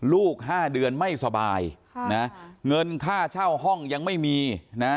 ๕เดือนไม่สบายเงินค่าเช่าห้องยังไม่มีนะ